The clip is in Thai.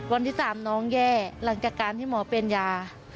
วันที่๓น้องแย่หลังจากการที่หมอเป็นยา